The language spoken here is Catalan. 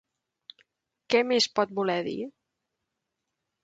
Què més pot voler dir?